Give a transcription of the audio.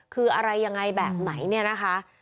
คืออะไรยังไงแบบไหนเนี่ยนะคะ